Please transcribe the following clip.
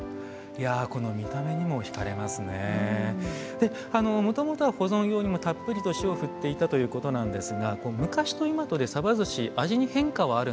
でもともとは保存用にもたっぷりと塩をふっていたということなんですが昔と今とでさばずし味に変化はあるんでしょうか？